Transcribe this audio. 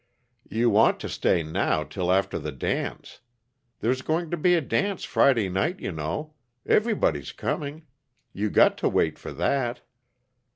"You want to stay, now, till after the dance. There's going to be a dance Friday night, you know everybody's coming. You got to wait for that."